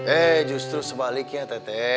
eh justru sebaliknya tete